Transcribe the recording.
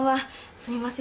すみません